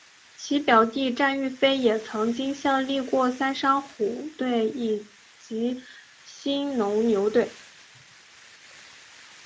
其表弟战玉飞也曾经效力过三商虎队及兴农牛队。